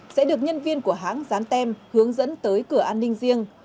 sẽ được nhân viên của hãng dán tem hướng dẫn tới cửa an ninh riêng